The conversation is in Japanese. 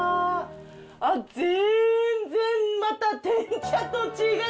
あっ全然またてん茶と違う！